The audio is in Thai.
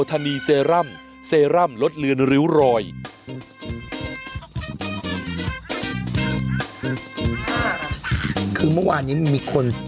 คือเมื่อวานนี้มันมีคน